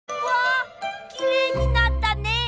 わあきれいになったね。